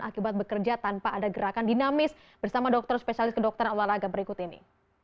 akibat bekerja tanpa ada gerakan dinamis bersama dokter spesialis kedokteran olahraga berikut ini